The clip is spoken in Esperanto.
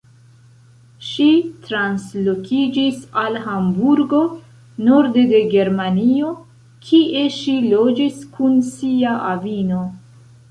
Ŝi translokiĝis al Hamburgo, norde de Germanio, kie ŝi loĝis kun sia avino.